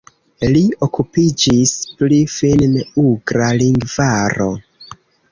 Li okupiĝis pri finn-ugra lingvaro.